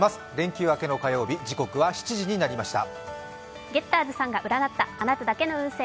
連休明けの火曜日、時刻は７時になりました。